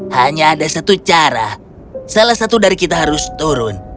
hanya ada satu cara salah satu dari kita harus turun